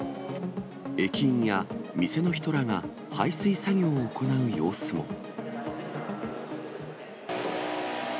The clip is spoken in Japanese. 駅員や店の人らが排水作業を行う様子も。